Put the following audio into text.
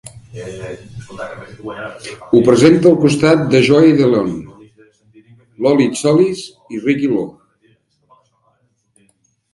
Ho presenta al costat de Joey de Leon, Lolit Solis, i Ricky Lo.